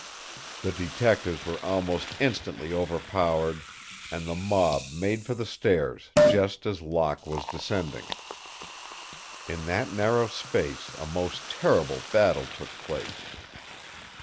The detectives were almost instantly overpowered, and the mob made for the stairs just as Locke was descending. In that narrow space a most terrible battle took place.